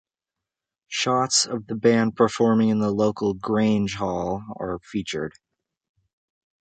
Shots of the band performing in a local Grange hall are featured.